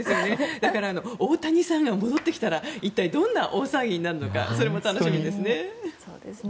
だから大谷さんが戻ってきたら一体、どんな大騒ぎになるのかそれも楽しみですね。